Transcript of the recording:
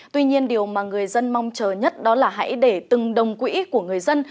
tuy nhiên điều mà người dân mong chờ nhất đó là hãy để từng đồng quỹ của người dân